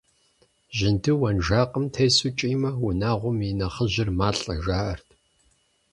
Жьынду уэнжакъым тесу кӀиймэ, унагъуэм и нэхъыжьыр малӀэ, жаӀэрт.